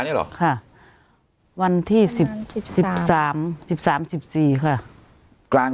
นี่เหรอค่ะวันที่สิบสิบสามสิบสามสิบสี่ค่ะกลาง